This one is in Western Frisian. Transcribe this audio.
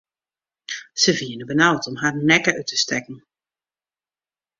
Se wienen benaud om harren nekke út te stekken.